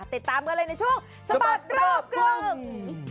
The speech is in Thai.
ติดตามกันเลยในช่วงสะบัดรอบกรุง